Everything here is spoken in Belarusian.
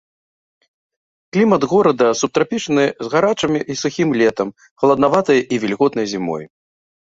Клімат горада субтрапічны з гарачым і сухім летам, халаднаватай і вільготнай зімой.